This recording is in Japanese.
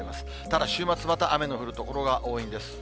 ただ週末、また雨の降る所が多いんです。